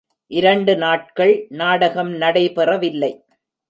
இரண்டு நாட்கள் நாடகம் நடைபெறவில்லை.